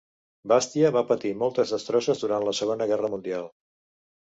Bastia va patir moltes destrosses durant la Segona Guerra Mundial.